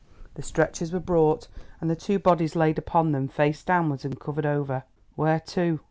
The stretchers were brought and the two bodies laid upon them, face downwards and covered over. "Where to?"